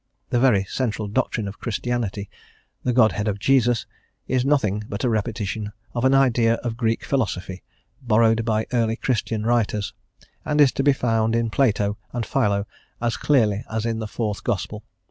The very central doctrine of Christianity the Godhead of Jesus is nothing but a repetition of an idea of Greek philosophy borrowed by early Christian writers, and is to be found in Plato and Philo as clearly as in the fourth Gospel.